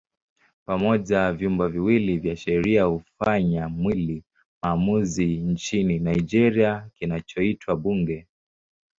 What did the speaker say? Pamoja vyumba viwili vya sheria hufanya mwili maamuzi nchini Nigeria kinachoitwa Bunge.